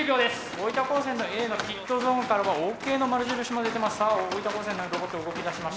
大分高専のＡのピットゾーンからはＯＫの丸印も出てます。